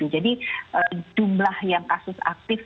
jadi jumlah yang kasus aktif